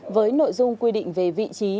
với nội dung quy định về vị trí